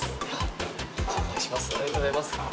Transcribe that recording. ありがとうございます。